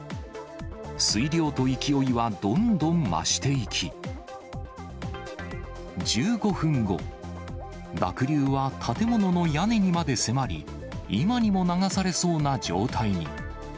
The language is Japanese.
水量と勢いはどんどん増していき、１５分後、濁流は建物の屋根にまで迫り、今にも流されそうな状態に。